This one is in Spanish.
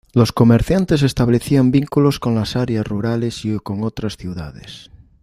Los comerciantes establecían vínculos con las áreas rurales y con otras ciudades.